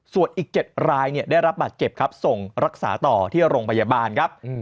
ส่วนอีก๗รายได้รับบาดเจ็บครับส่งรักษาต่อที่โรงพยาบาลครับ